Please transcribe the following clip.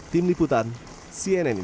tim liputan cnn indonesia